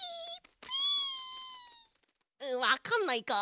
ピ？わかんないか。